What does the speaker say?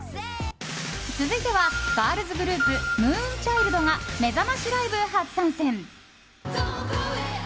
続いては、ガールズグループＭＯＯＮＣＨＩＬＤがめざましライブ初参戦。